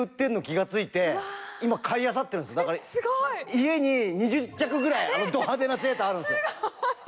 家に２０着ぐらいあのど派手なセーターあるんですよ。